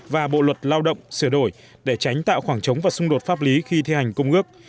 và bộ luật lao động sửa đổi để tránh tạo khoảng trống và xung đột pháp lý khi thi hành công ước